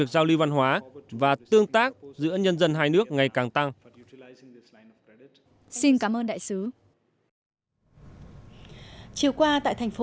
giá và tương tác giữa nhân dân hai nước ngày càng tăng xin cảm ơn đại sứ chiều qua tại thành phố